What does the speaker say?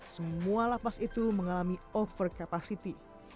semua lapas itu mengalami over capacity